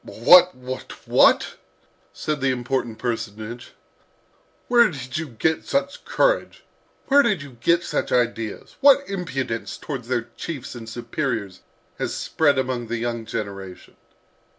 "What, what, what!" said the important personage. "Where did you get such courage? Where did you get such ideas? What impudence towards their chiefs and superiors has spread among the young generation!"